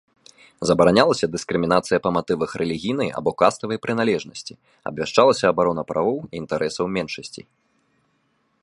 Забаранялася дыскрымінацыя па матывах рэлігійнай або каставай прыналежнасці, абвяшчалася абарона правоў і інтарэсаў меншасцей.